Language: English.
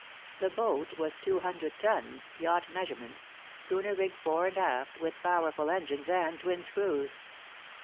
The boat was two hundred tons, yacht measurement, schooner rigged fore and aft, with powerful engines and twin screws.